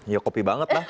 ya kopi banget lah